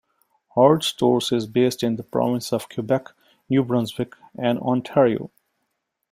Hart stores is based in the provinces of Quebec, New Brunswick, and Ontario.